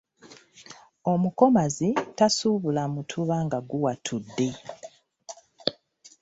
Omukomazi tasuubula mutuba nga guwaatudde.